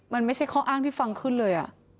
มันไม่ใช่ข้ออ้างที่ฟังขึ้นเลย